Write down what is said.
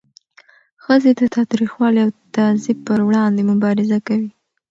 ښځې د تاوتریخوالي او تعذیب پر وړاندې مبارزه کوي.